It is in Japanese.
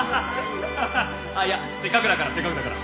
「いやせっかくだからせっかくだから」